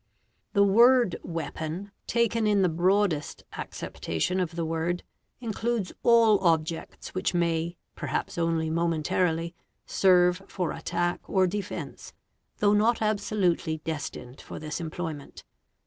The word " weapon"', taken in the broadest acceptation of the word, includes all objects which may, perhaps only momentarily, serve for attack or defence, though not absolutely destined for this employment.